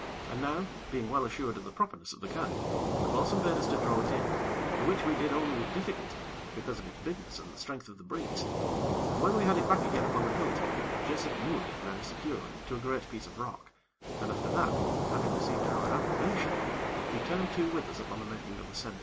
And now, being well assured of the properness of the kite, the bo'sun bade us to draw it in, the which we did only with difficulty, because of its bigness and the strength of the breeze. And when we had it back again upon the hilltop, Jessop moored it very securely to a great piece of rock, and, after that, having received our approbation, he turned to with us upon the making of the sennit.